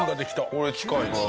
これ近い。